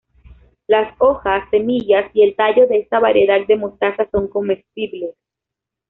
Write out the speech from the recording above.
Las hojas, semillas y el tallo de esta variedad de mostaza son comestibles.